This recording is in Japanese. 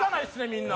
みんな。